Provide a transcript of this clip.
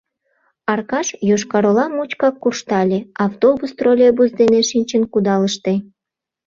Аркаш Йошкар-Ола мучкак куржтале, автобус, троллейбус дене шинчын кудалыште.